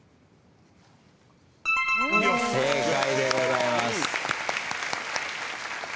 正解でございます。